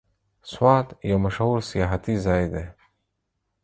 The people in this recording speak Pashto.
سوات یو مشهور سیاحتي ځای دی.